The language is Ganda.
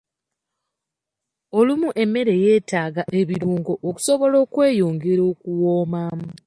Olumu emmere yeetaaga ebirungo okusobola okweyongera okuwooma.